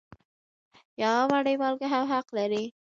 یوه مړۍ مالګه هم حق لري.